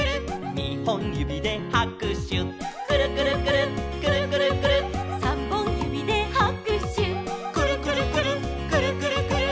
「にほんゆびではくしゅ」「くるくるくるっくるくるくるっ」「さんぼんゆびではくしゅ」「くるくるくるっくるくるくるっ」